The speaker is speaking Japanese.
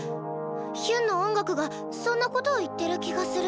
ヒュンの音楽がそんな事を言ってる気がする。